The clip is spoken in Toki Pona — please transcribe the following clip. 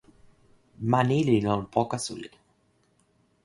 ma ni li lon poka suli.